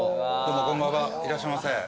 こんばんはいらっしゃいませ。